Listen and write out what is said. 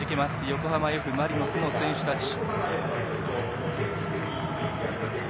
横浜Ｆ・マリノスの選手たち。